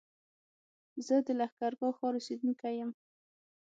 زه د لښکرګاه ښار اوسېدونکی يم